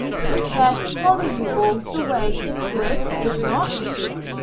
A prayer to follow you all the way is good, is not?"